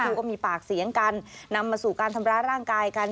ก็มีปากเสียงกันนำมาสู่การทำร้ายร่างกายกัน